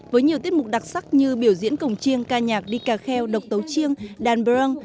với nhiều tiết mục đặc sắc như biểu diễn cổng chiêng ca nhạc đi cà kheo đọc tấu chiêng đàn brung